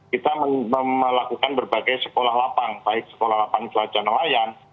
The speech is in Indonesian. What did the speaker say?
kita melakukan berbagai sekolah lapang baik sekolah lapang cuaca nelayan